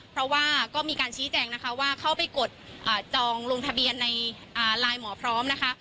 เพราะว่าก็มีการชี้แจงนะคะว่าเข้าไปกดจองลงทะเบียนในไลน์หมอพร้อมนะคะ